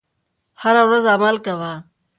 هره ورځ عمل کوه .